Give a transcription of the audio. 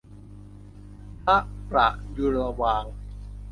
พระประยูรวงศ์